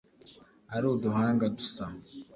ari uduhanga dusa